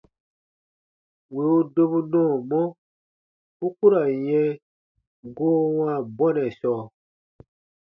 Wì u dobu nɔɔmɔ, u ku ra n yɛ̃ goo wãa bɔnɛ sɔɔ.